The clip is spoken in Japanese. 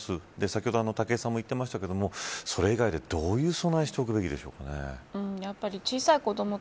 先ほど武井さんも言っていましたがそれ以外でどういう備えをしておくべきでやっぱり小さい子ども